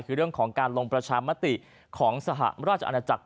คือเรื่องของการลงประชามติของสหราชอาณาจักร